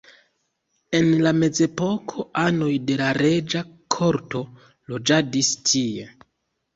En la mezepoko anoj de la reĝa korto loĝadis tie.